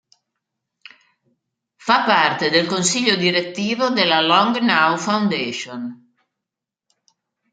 Fa parte del consiglio direttivo della Long Now Foundation.